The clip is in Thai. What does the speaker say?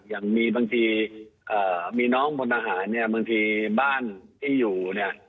อย่างมีบางทีมีน้องบนทหารบางทีบ้านที่อยู่